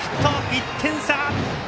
１点差！